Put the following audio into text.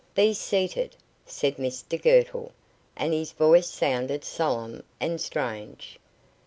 "Be seated," said Mr Girtle; and his voice sounded solemn and strange.